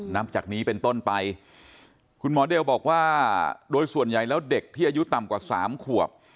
นับจากนี้เป็นต้นไปคุณหมอเดลบอกว่าโดยส่วนใหญ่แล้วเด็กที่อายุต่ำกว่า๓ขวบ